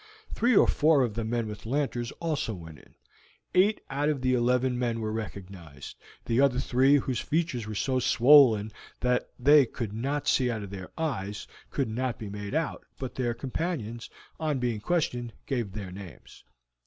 Three or four of the men with lanterns also went in. Eight out of eleven men were recognized; the other three, whose features were so swollen that they could not see out of their eyes, could not be made out, but their companions, on being questioned, gave their names.